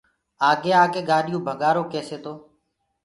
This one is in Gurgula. آگي آڪي گآڏيو ڀگآرو ڪيسي تو